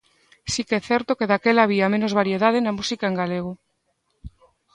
Si que é certo que daquela había menos variedade na música en galego.